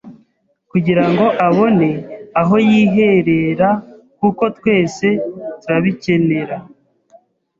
kugira ngo abone aho yiherera kuko twese turabikenera